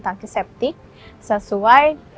tangki septik sesuai